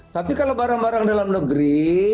tapi kalau barang barang dalam negeri